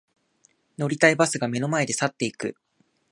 乗りたいバスが目の前で去っていく